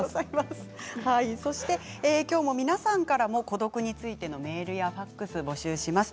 きょうも皆さんからの孤独についてのメールやファックスを募集します。